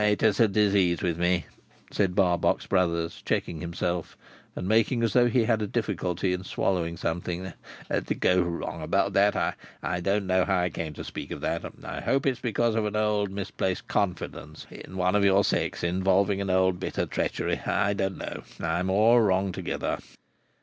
"It is a disease with me," said Barbox Brothers, checking himself, and making as though he had a difficulty in swallowing something, "to go wrong about that. I don't know how I came to speak of that. I hope it is because of an old misplaced confidence in one of your sex involving an old bitter treachery. I don't know. I am all wrong together."